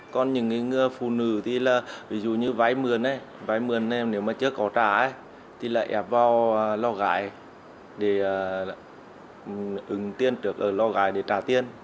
còn những phụ nữ thì là ví dụ như vai mượn vai mượn nếu mà chưa có trả thì lại ép vào lo gái để ứng tiền trước ở lo gái để trả tiền